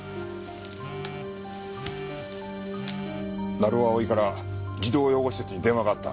成尾蒼から児童養護施設に電話があった。